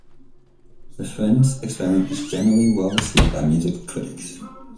"The Frenz Experiment" was generally well received by music critics.